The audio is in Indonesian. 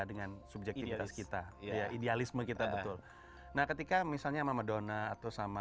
dengan subjektivitas kita idealisme kita betul nah ketika misalnya sama madonna atau sama